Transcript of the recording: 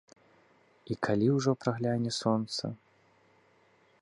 І калі ўжо прагляне сонца?